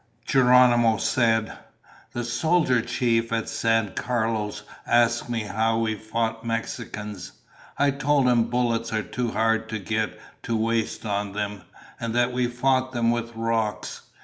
Geronimo said, "The soldier chief at San Carlos asked me how we fought Mexicans. I told him bullets are too hard to get to waste on them, and that we fought them with rocks.